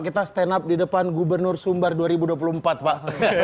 kita stand up di depan gubernur sumbar dua ribu dua puluh empat pak